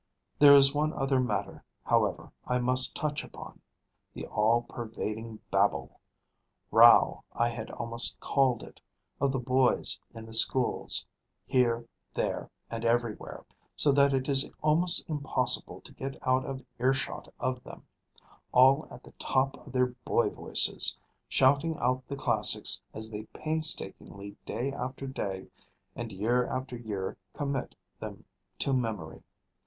There is one other matter, however, I must touch upon the all pervading babble, row I had almost called it, of the boys in the schools, here, there, and everywhere, so that it is almost impossible to get out of earshot of them, all at the top of their boy voices shouting out the classics, as they painstakingly day after day and year after year commit them to memory.